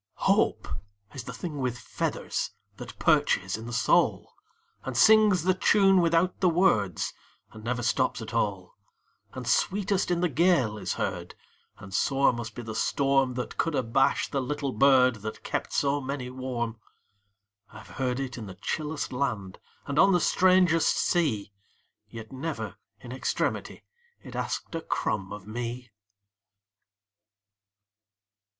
Hope is the thing with feathers That perches in the soul, And sings the tune without the words, And never stops at all, And sweetest in the gale is heard; And sore must be the storm That could abash the little bird That kept so many warm. I 've heard it in the chillest land, And on the strangest sea; Yet, never, in extremity, It asked a crumb of me.